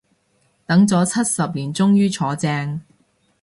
等咗七十年終於坐正